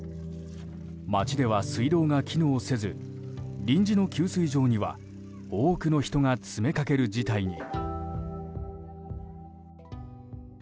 街では水道が機能せず臨時の給水場には多くの人が詰めかける事態に。